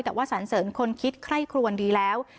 แต่ว่าสันเสริญคนคิดไคร่ครวนดีแล้ว